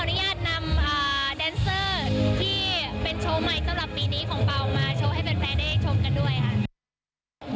อนุญาตนำแดนเซอร์ที่เป็นโชว์ใหม่สำหรับปีนี้ของเปล่ามาโชว์ให้แฟนได้ชมกันด้วยค่ะ